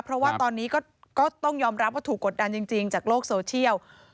เพราะว่าตอนนี้ก็ต้องยอมรับว่าถูกกดดันจริงจากโลกโซเชียล